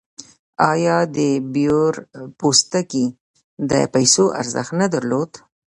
آیا د بیور پوستکي د پیسو ارزښت نه درلود؟